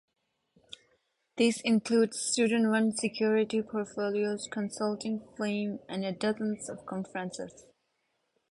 These include student-run security portfolios, consulting firms, and dozens of conferences.